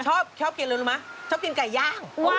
ชอบชอบกินอะไรรู้ไหมชอบกินไก่ย่าง